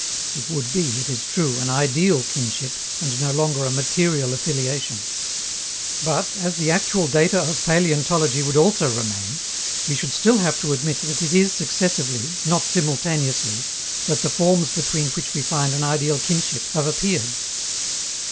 It would be, it is true, an ideal kinship, and no longer a material affiliation. But, as the actual data of paleontology would also remain, we should still have to admit that it is successively, not simultaneously, that the forms between which we find an ideal kinship have appeared.